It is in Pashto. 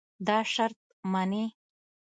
دا شرط منې.